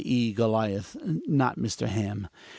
e., Goliath, (not Mr. Ham).